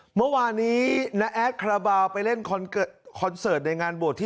เมื่อวานี้ณแอดคราบาลไปเล่นคอนเกิร์ตคอนเซิร์ตในงานบวชที่